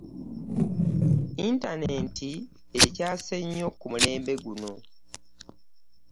Yintaneti ecaase nnyo ku mulembe guno.